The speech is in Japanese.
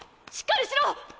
しっかりしろ！